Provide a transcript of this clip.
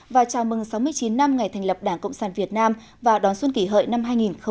và chào mừng sáu mươi chín năm ngày thành lập đảng cộng sản việt nam và đón xuân kỷ hợi năm hai nghìn một mươi chín